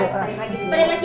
boleh lagi ya mbak